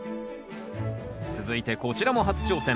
続いてこちらも初挑戦。